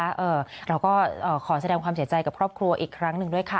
เราก็ขอแสดงความเสียใจกับครอบครัวอีกครั้งหนึ่งด้วยค่ะ